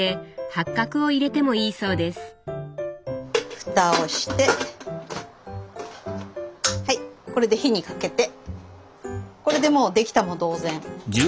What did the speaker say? フタをしてはいこれで火にかけてこれでもうできたも同然。